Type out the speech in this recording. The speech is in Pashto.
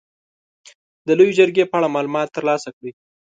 د لويې جرګې په اړه معلومات تر لاسه کړئ.